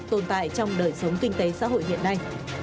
tồn tại trong đời sống kinh tế xã hội hiện nay